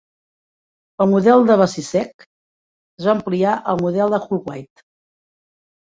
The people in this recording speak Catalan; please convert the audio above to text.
El model de Vasicek es va ampliar al model de Hull-White.